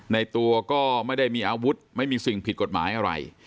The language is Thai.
ในตัวก็ไม่ได้มีอาวุธไม่มีสิ่งผิดกฎหมายอะไร